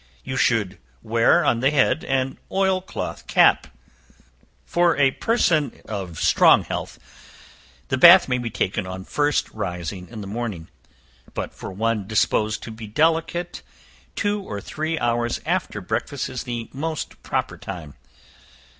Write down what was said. You should wear on the head an oil cloth cap. For a person in strong health, the bath may be taken on first rising in the morning; but for one disposed to be delicate, two or three hours after breakfast is the most proper time.